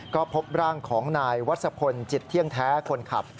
ก็พบร่างของนายวัชพลจิตเที่ยงแท้คนขับ